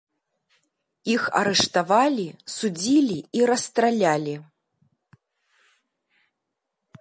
Іх арыштавалі, судзілі і расстралялі.